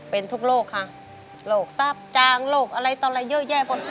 เป็นทุกโลกค่ะโลกทราบจางโลกอะไรต่ออะไรเยอะแยะบน